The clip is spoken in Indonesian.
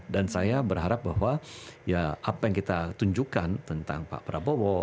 dan saya berharap bahwa ya apa yang kita tunjukkan tentang pak prabowo